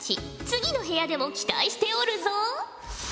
次の部屋でも期待しておるぞ。